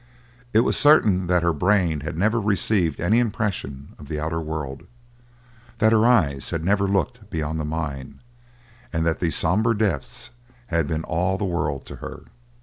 It was certain that her brain had never received any impression of the outer world, that her eyes had never looked beyond the mine, and that these somber depths had been all the world to her.